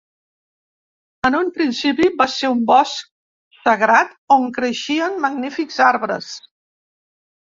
En un principi, va ser un bosc sagrat on creixien magnífics arbres.